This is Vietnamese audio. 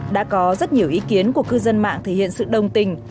đã có rất nhiều ý kiến của cư dân mạng thể hiện sự đồng tình